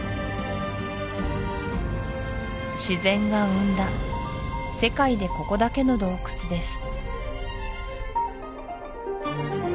自然が生んだ世界でここだけの洞窟です